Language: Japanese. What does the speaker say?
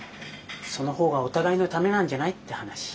その方がお互いのためなんじゃない？って話。